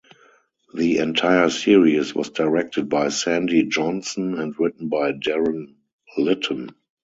The entire series was directed by Sandy Johnson and written by Derren Litten.